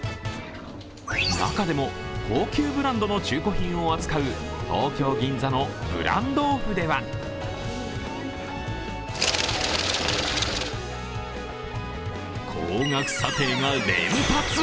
中でも高級ブランドの中古品を扱う東京・銀座のブランドオフでは高額査定が連発。